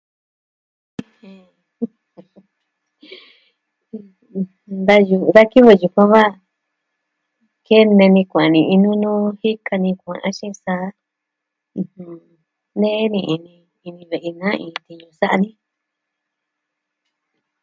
Da yu, da kivɨ yukuan va... kene ni kuaa ni'i ni nuu jika ni kuaa axin sa, nee ni ini ini ve'i na iin tiñu sa'a ni.